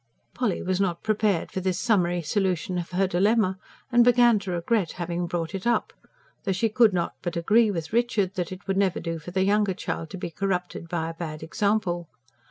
Polly was not prepared for this summary solution of her dilemma, and began to regret having brought it up; though she could not but agree with Richard that it would never do for the younger child to be corrupted by a bad example.